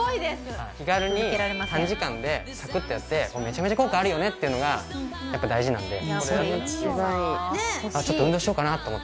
気軽に短時間でサクッとやってめちゃめちゃ効果あるよねっていうのがやっぱ大事なんで。